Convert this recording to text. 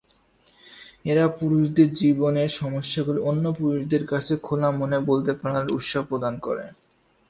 এরা পুরুষদের জীবনের সমস্যাগুলি অন্য পুরুষদের কাছে খোলা মনে বলতে পারার জন্য উৎসাহ প্রদান করে।